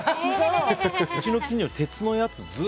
うちの近所は鉄のやつ